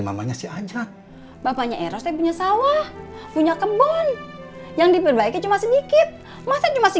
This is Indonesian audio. mamanya si ajat bapaknya eros punya sawah punya kebun yang diperbaiki cuma sedikit masih masih